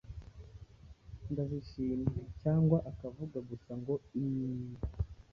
ndazishimye” cyangwa akavuga gusa ngo: “iii”.